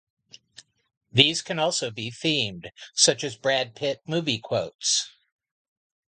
These can also be themed, such as Brad Pitt movie quotes.